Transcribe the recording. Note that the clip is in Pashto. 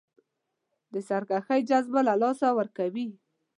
د سرکښۍ جذبه له لاسه ورکوي.